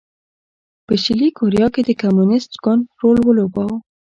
په شلي کوریا کې د کمونېست ګوند رول لوباوه.